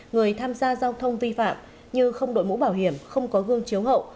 người tham gia giao thông vi phạm như không đội mũ bảo hiểm không có gương chiếu hậu